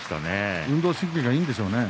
運動神経がいいんでしょうね。